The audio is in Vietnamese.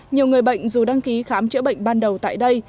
nhiều người bệnh dù đăng ký khám chữa bệnh ban đầu tại đây